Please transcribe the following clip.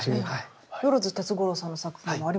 萬鉄五郎さんの作品もありますよね。